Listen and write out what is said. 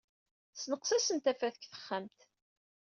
Ssenqasen tafat deg texxamt.